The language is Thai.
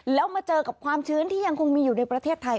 แล้วมาเจอกับความชื้นที่ยังคงมีอยู่ในประเทศไทย